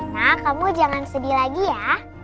nah kamu jangan sedih lagi ya